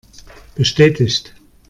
Bestätigt!